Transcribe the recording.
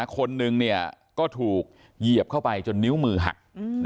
คนหนึ่งก็ถูกเหยียบเข้าไปจนนิ้วมือหัก